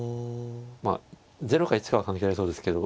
まあ０か１かは関係ありそうですけど。